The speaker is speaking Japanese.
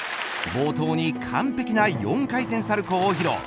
冒頭に完璧な４回転サルコウを披露。